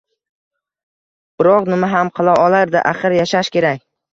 Biroq nima ham qila olardi, axir, yashash kerak